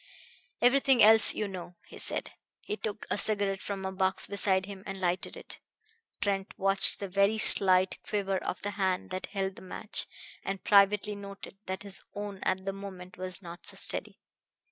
"Everything else you know," he said. He took a cigarette from a box beside him and lighted it. Trent watched the very slight quiver of the hand that held the match, and privately noted that his own at the moment was not so steady.